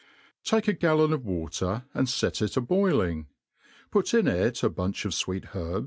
TAKE a galloQ of W4ter, and fet it a boiltng } put in it a bunch of fweet herb?